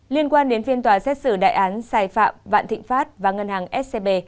liên quan đến phiên tòa xét xử đại án sai phạm vạn thịnh pháp và ngân hàng scb